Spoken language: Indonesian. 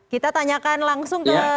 kita tanyakan langsung ke